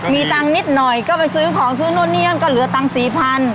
มีตังค์นิดหน่อยก็ไปซื้อของซื้อนู่นนี่นั่นก็เหลือตังค์สี่พัน